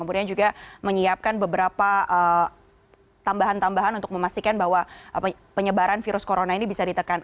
kemudian juga menyiapkan beberapa tambahan tambahan untuk memastikan bahwa penyebaran virus corona ini bisa ditekan